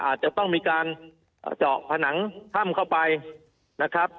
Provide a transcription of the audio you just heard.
อาจจะต้องมีการเจาะผนังถ้ำเข้าไปนะครับ